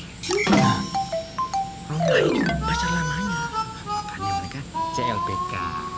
nah roma itu pacar lamanya makanya mereka clpk